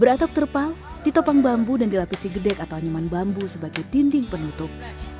beratap terpal ditopang bambu dan dilapisi gedek atau anyaman bambu sebagai dinding penutup